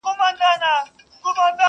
پنځه ووزي او پنځه په ننوزي,